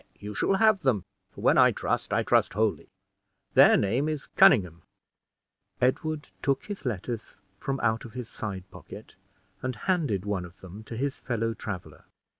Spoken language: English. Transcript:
"Nay, you shall have them; for when I trust, I trust wholly. Their name is Conynghame." Edward took his letters from out of his side pocket, and handed one of them to his fellow traveler.